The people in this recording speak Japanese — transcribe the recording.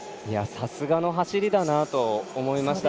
さすがの走りだなと思いました。